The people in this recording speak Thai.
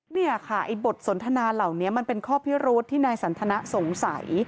เนี่ยค่ะไอ้บทสนทนาเหล่านี้มันเป็นข้อพิรุธที่นายสันทนะสงสัย